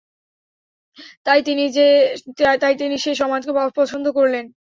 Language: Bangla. তাই তিনি সে সমাজকে অপছন্দ করলেন।